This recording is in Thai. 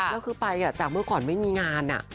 แล้วคือไปจากเมื่อก่อนไม่มีงาน